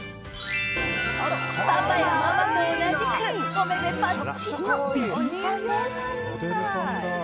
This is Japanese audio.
パパやママと同じくお目々パッチリの美人さんです。